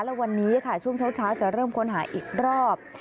และวันนี้ค่ะช่วงเช้าจะเริ่มค้นหาอีกรอบ